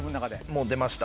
もう出ました。